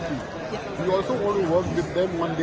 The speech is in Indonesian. kita juga ingin bekerja dengan mereka di spd dan marathi